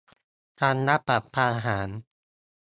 ทำรัฐประหาร